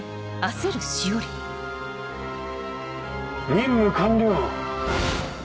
任務完了。